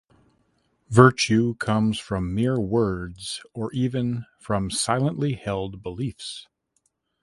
Virtue comes from mere words or even from silently held beliefs.